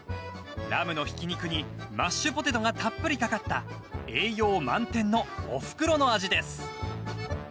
ラムのひき肉にマッシュポテトがたっぷりかかった栄養満点のおふくろの味です。